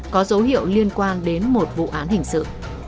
có dấu hiệu liên quan đến một vụ án hình sự